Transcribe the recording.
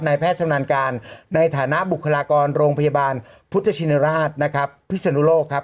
แพทย์ชำนาญการในฐานะบุคลากรโรงพยาบาลพุทธชินราชนะครับพิศนุโลกครับ